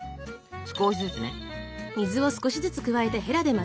少しずつね。